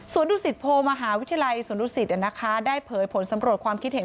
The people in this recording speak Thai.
ส่วนดุสิตโพมหาวิทยาลัยสวนดุสิตได้เผยผลสำรวจความคิดเห็น